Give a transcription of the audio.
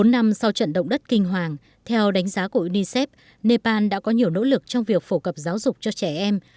bốn năm sau trận động đất kinh hoàng theo đánh giá của unicef nepal đã có nhiều nỗ lực trong việc phổ cập giáo dục cho trẻ em